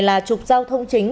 là trục giao thông chính